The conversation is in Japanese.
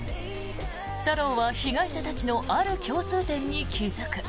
太郎は、被害者たちのある共通点に気付く。